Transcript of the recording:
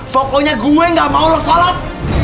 pokoknya gue gak mau lo salat